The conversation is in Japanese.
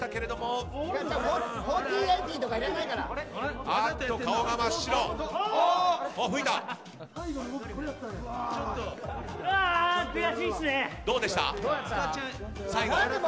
どうでした、最後？